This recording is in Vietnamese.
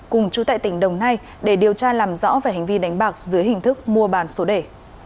cùng chú tại tỉnh đồng nai để điều tra làm rõ về hành vi đánh bạc dưới hình thức mua bán số đề